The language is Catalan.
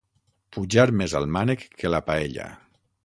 Pujar més el mànec que la paella.